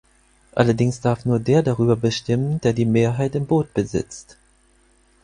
Allerdings darf nur der darüber bestimmen, der die Mehrheit im Boot besitzt.